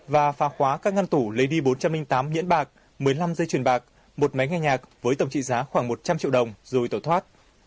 và phá khóa các ngăn tủ lady bốn trăm linh tám nhiễn bạc một mươi năm dây truyền bạc một máy nghe nhạc với tổng trị giá khoảng một trăm linh triệu đồng rồi tổ thoát